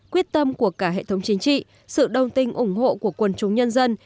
quyết tâm của cả hệ thống chính trị sự đồng tình ủng hộ của quần chúng nhân dân